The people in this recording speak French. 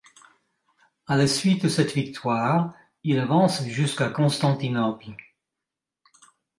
À la suite de cette victoire, il avance jusqu’à Constantinople.